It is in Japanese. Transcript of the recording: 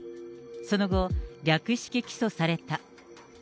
その後、略式起訴された。